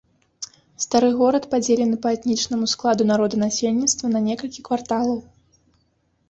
Стары горад падзелены па этнічнаму складу народанасельніцтва на некалькі кварталаў.